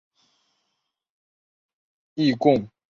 易贡紫柄蕨为金星蕨科紫柄蕨属下的一个种。